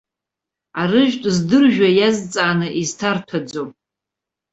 Арыжәтә здыржәуа иазҵааны изҭарҭәаӡом.